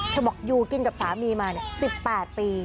บอกอยู่กินกับสามีมา๑๘ปี